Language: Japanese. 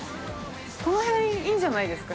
この辺いいんじゃないですか。